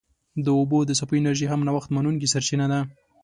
د اوبو د څپو انرژي هم نوښت منونکې سرچینه ده.